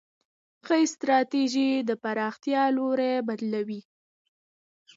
ښه ستراتیژي د پراختیا لوری بدلوي.